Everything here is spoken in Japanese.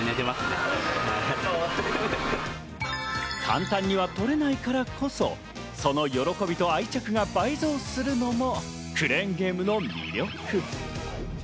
簡単には取れないからこそ、その喜びと愛着が倍増するのもクレーンゲームの魅力。